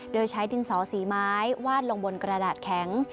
โดยใช้ดินสอสีไม้วาดลงบนกระดาษแข็ง